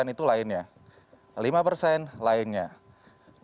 nah ini juga yang mengindikasi bahwa kita bisa menghasilkan produk olahan kedelai